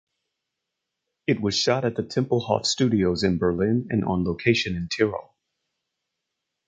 It was shot at the Tempelhof Studios in Berlin and on location in Tyrol.